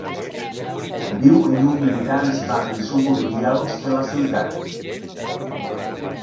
Viu en un de tants barris suburbials de la ciutat.